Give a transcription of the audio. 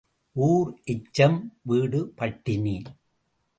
ஊர் எச்சம் வீடு பட்டினி.